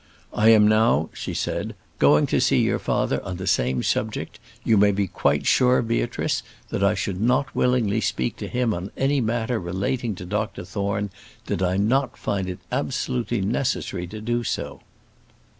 "I am now," she said, "going to see your father on the same subject; you may be quite sure, Beatrice, that I should not willingly speak to him on any matter relating to Dr Thorne did I not find it absolutely necessary to do so."